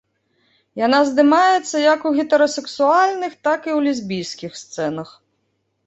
Яна здымаецца як у гетэрасексуальных, так і ў лесбійскіх сцэнах.